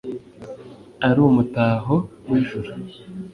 ari umutaho w’ijuru